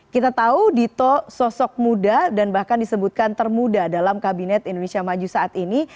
kita tahu dito sosok muda dan bahkan disebutkan termuda dalam kabinet indonesia maju saat ini